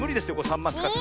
サンマつかって。